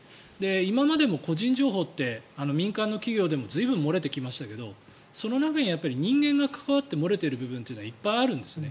今でも個人情報って民間の企業でも随分漏れてきましたけどその中に人間が関わって漏れている部分というのはいっぱいあるんですね。